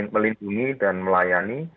melindungi dan melayani